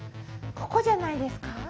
ここじゃないですか？